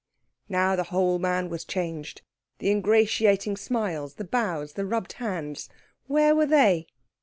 Now the whole man was changed. The ingratiating smiles, the bows, the rubbed hands, where were they?